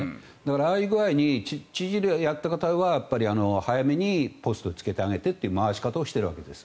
ああいう感じで知事でやっている方は早めにポストをつけてあげてという回し方をしているわけです。